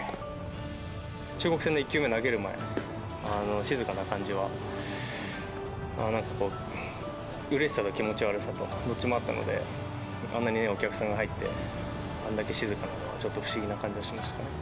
中国戦の１球目投げる前、静かな感じはなんかこう、うれしさと気持ち悪さと、どっちもあったので、あんなにお客さんが入って、あんだけ静かなのは、ちょっと不思議な感じがしました。